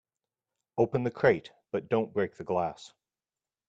Open the crate but don't break the glass.